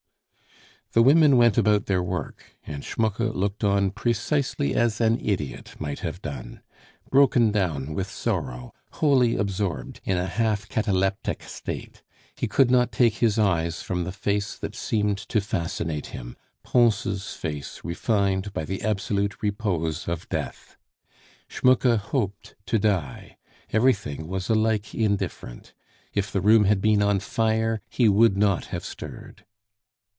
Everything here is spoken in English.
The women went about their work, and Schmucke looked on precisely as an idiot might have done. Broken down with sorrow, wholly absorbed, in a half cataleptic state, he could not take his eyes from the face that seemed to fascinate him, Pons' face refined by the absolute repose of Death. Schmucke hoped to die; everything was alike indifferent. If the room had been on fire he would not have stirred.